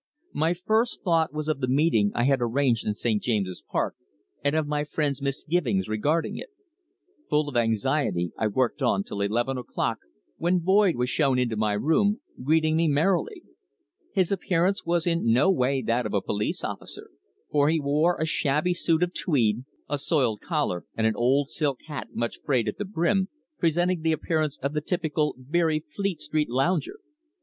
My first thought was of the meeting I had arranged in St. James's Park, and of my friend's misgivings regarding it. Full of anxiety, I worked on till eleven o'clock, when Boyd was shown into my room, greeting me merrily. His appearance was in no way that of a police officer, for he wore a shabby suit of tweed, a soiled collar, and an old silk hat much frayed at the brim, presenting the appearance of the typical beery Fleet Street lounger.